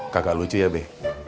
kagak lucu ya be